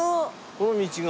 この道が？